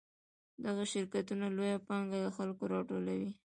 دغه شرکتونه لویه پانګه له خلکو راټولوي